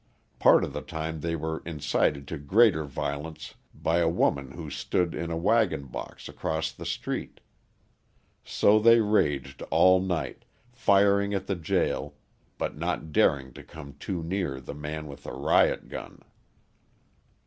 Part of the time they were incited to greater violence by a woman who stood in a waggon box across the street. So they raged all night, firing at the jail, but not daring to come too near the man with the riot gun.